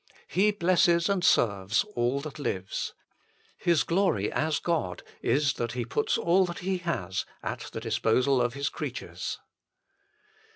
He blesses and serves all that lives. His glory as God is that He puts all that He has at the disposal of His creatures.